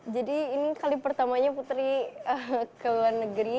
jadi ini kali pertamanya putri ke luar negeri